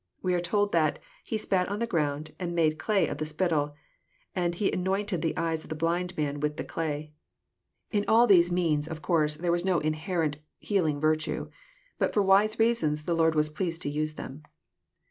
We are told that " He spat on the ground, and made clay of the spittle, and He anointed the eyes of the blind man with the clay." In all these means r ^OHNy CHAP. IX. 137 of oonrse there was no inherent healing virtue. Bat for wise reasons the Lord was pleased to use them.